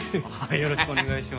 よろしくお願いします。